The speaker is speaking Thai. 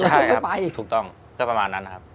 ใช่ถูกต้องก็ประมาณนั้น